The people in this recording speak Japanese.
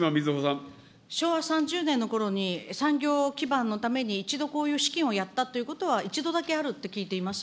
昭和３０年のころに、産業基盤のために一度こういう資金をやったということは、一度だけあるって聞いています。